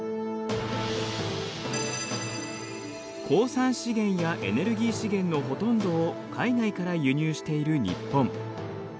鉱産資源やエネルギー資源のほとんどを海外から輸入している日本。